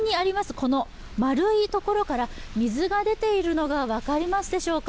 この丸いところから水が出ているのが分かりますでしょうか。